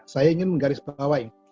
saya ingin menggaris pelawain